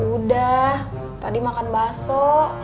udah tadi makan baso